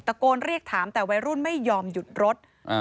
ตะโกนเรียกถามแต่วัยรุ่นไม่ยอมหยุดรถ